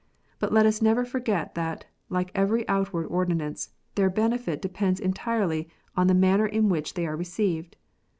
But let us never for get that, like every outward ordinance, their benefit depends entirely on the manner in which they are received.